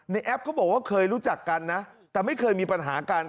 แอปเขาบอกว่าเคยรู้จักกันนะแต่ไม่เคยมีปัญหากัน